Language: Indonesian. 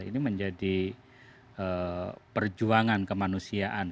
ini menjadi perjuangan kemanusiaan